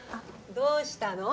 どうしたの？